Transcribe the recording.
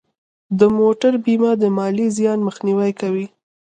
د موټر بیمه د مالي زیان مخنیوی کوي.